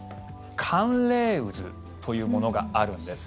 寒冷渦というものがあるんです。